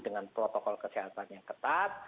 dengan protokol kesehatan yang ketat